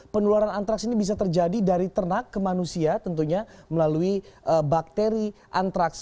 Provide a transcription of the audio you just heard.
penularan antraks ini bisa terjadi dari ternak ke manusia tentunya melalui bakteri antraks